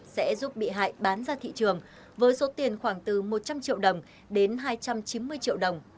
sẽ giúp bị hại bán ra thị trường với số tiền khoảng từ một trăm linh triệu đồng đến hai trăm chín mươi triệu đồng